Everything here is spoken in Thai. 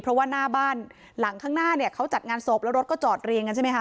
เพราะว่าหน้าบ้านหลังข้างหน้าเนี่ยเขาจัดงานศพแล้วรถก็จอดเรียงกันใช่ไหมคะ